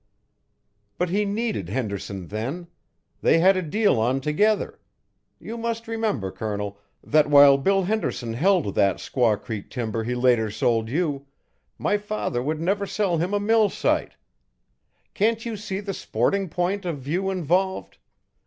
"But he needed Henderson then. They had a deal on together. You must remember, Colonel, that while Bill Henderson held that Squaw Creek timber he later sold you, my father would never sell him a mill site. Can't you see the sporting point of view involved?